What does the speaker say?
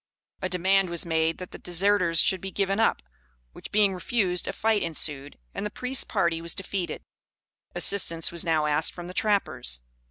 A demand was made that the deserters should be given up, which being refused, a fight ensued, and the priest's party was defeated. Assistance was now asked from the trappers.